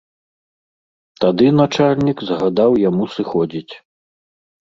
Тады начальнік загадаў яму сыходзіць.